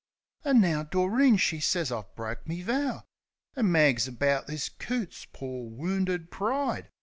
An' now Doreen she sez I've broke me vow. An' mags about this coot's pore, "wounded pride."